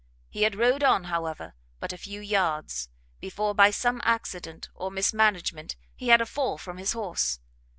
He had rode on, however, but a few yards, before, by some accident or mismanagement, he had a fall from his horse.